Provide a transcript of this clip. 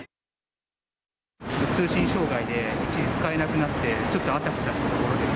通信障害で、一時使えなくなって、ちょっとあたふたしたところです。